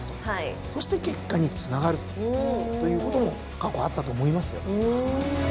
そして結果につながるということも過去あったと思いますよ。